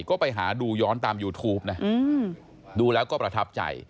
ก็ไปหาดูย้อนตามยูทูปนะดูแล้วก็ประทับใจ